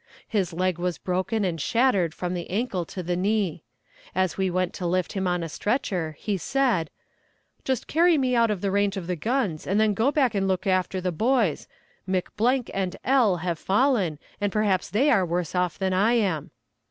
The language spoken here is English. His leg was broken and shattered from the ankle to the knee. As we went to lift him on a stretcher he said: "Just carry me out of range of the guns, and then go back and look after the boys. Mc and L. have fallen, and perhaps they are worse off than I am."